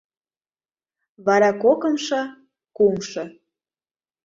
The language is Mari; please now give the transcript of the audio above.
Вара кокымшо, кумшо...